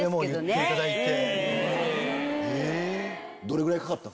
言っていただいて。